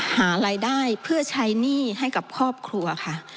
หารายได้เพื่อใช้หนี้ให้กับครอบครัวค่ะ